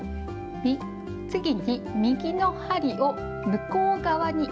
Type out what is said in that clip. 次に右の針を向こう側に入れます。